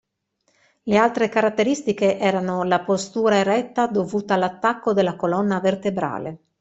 Le altre caratteristiche erano la postura eretta dovuta all'attacco della colonna vertebrale.